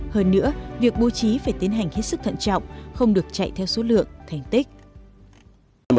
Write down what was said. hơn nữa việc bố trí phải tiến hành hết sức thận trọng không được chạy theo số lượng thành tích